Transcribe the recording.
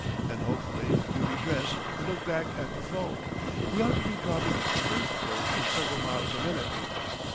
Then, hopefully, you redress and look back at the foe. He ought to be dropping earthward at several miles a minute.